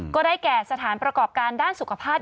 ก็ได้แก่สถานประกอบการด้านสุขภาพ